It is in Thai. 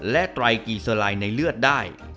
และไตรกีเซอร์ไลน์ในเลือดได้